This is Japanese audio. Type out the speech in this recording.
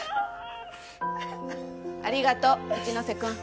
ありがとう一ノ瀬くん。